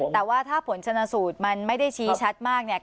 แต่ว่าถ้าผลชนสูตรมันไม่ได้ชี้ชัดมากเนี่ย